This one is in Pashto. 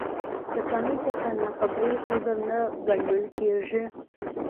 د قانون څخه نا خبري، عذر نه ګڼل کېږي.